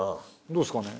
どうですかね。